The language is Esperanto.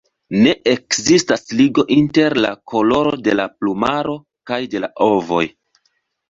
Ne ekzistas ligo inter la koloro de la plumaro kaj de la ovoj.